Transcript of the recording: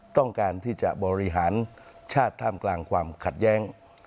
ต้องการที่จะบริหารชาติท่ามกลางความขัดแย้ง